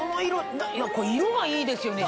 色がいいですよね